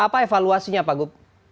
apa evaluasinya pak gu